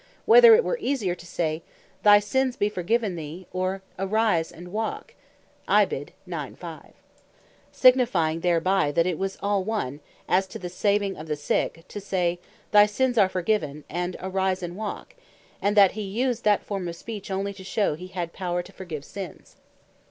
5.) "whether it were easier to say, Thy Sinnes be forgiven thee, or, Arise and walk;" signifying thereby, that it was all one, as to the saving of the sick, to say, "Thy Sins are forgiven," and "Arise and walk;" and that he used that form of speech, onely to shew he had power to forgive Sins.